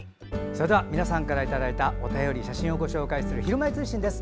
それでは、皆さんからいただいたお便り、写真をご紹介する「ひるまえ通信」です。